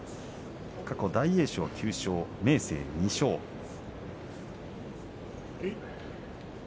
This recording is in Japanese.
過去は大栄翔が９勝明生が２勝です。